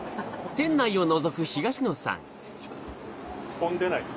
混んでない？